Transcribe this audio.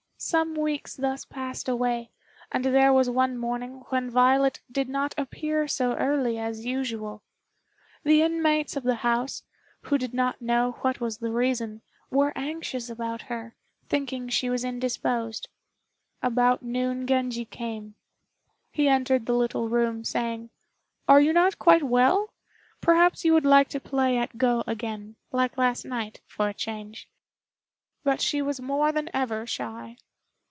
Some weeks thus passed away, and there was one morning when Violet did not appear so early as usual. The inmates of the house, who did not know what was the reason, were anxious about her, thinking she was indisposed. About noon Genji came. He entered the little room, saying, "Are you not quite well? Perhaps you would like to play at Go again, like last night, for a change;" but she was more than ever shy.